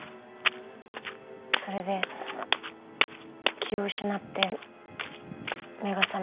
それで気を失って目が覚めたら。